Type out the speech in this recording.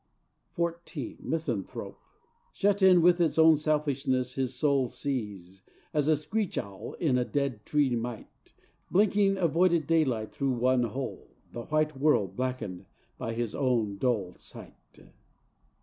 XIV The Misanthrope Shut in with its own selfishness his soul Sees, as a screech owl in a dead tree might, Blinking avoided daylight through one hole, The white world blackened by his own dull sight.